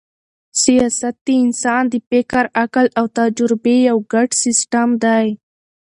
سیاست د انسان د فکر، عقل او تجربې یو ګډ سیسټم دئ.